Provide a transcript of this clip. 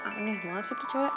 aneh banget sih tuh cewek